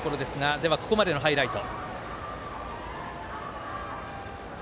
では、ここまでのハイライト。